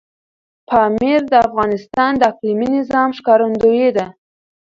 پامیر د افغانستان د اقلیمي نظام ښکارندوی ده.